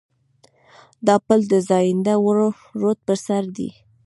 دا پل د زاینده رود پر سر دی.